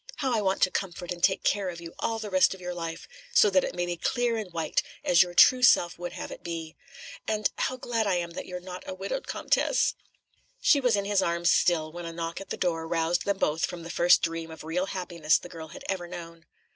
How I want to comfort and take care of you all the rest of your life, so that it may be clear and white, as your true self would have it be! And how glad I am that you're not a widowed Comtesse!" ―――― She was in his arms still when a knock at the door roused them both from the first dream of real happiness the girl had ever known.